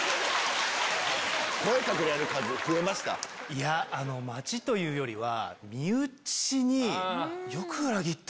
いや街というよりは。